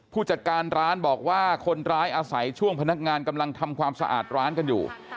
ผู้จัดการร้านบอกว่าคนร้ายอาศัยช่วงพนักงานกำลังทำความสะอาดร้านกันอยู่